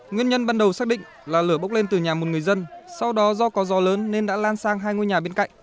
nguyên nhân ban đầu xác định là lửa bốc lên từ nhà một người dân sau đó do có gió lớn nên đã lan sang hai ngôi nhà bên cạnh